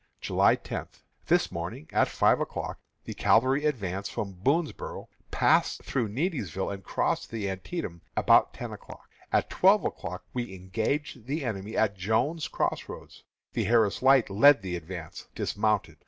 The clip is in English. July 10. This morning, at five o'clock, the cavalry advanced from Boonsboro', passed through Keedysville, and crossed the Antietam about ten o'clock. At twelve o'clock we engaged the enemy at Jones' Cross Roads. The Harris Light led the advance, dismounted.